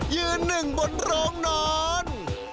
ยืนหนึ่งบนโรงนอน